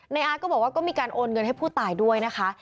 อาร์ตก็บอกว่าก็มีการโอนเงินให้ผู้ตายด้วยนะคะ